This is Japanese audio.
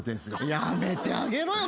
やめてあげろよ。